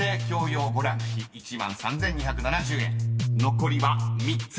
［残りは３つ。